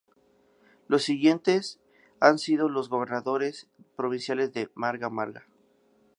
Los siguientes han sido los gobernadores provinciales de Marga Marga.